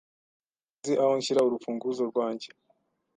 Sinzi aho nshyira urufunguzo rwanjye,